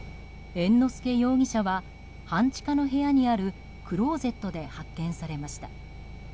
猿之助容疑者は半地下の部屋にあるクローゼットで発見されました。